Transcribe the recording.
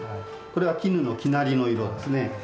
これは絹の生成りの色ですね。